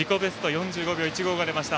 ４５秒１５が出ました。